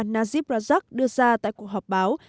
najib rajak đưa ra tại cuộc họp báo